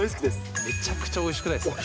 めちゃくちゃおいしくないですか？